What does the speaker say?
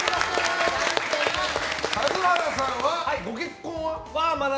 田津原さんはご結婚は？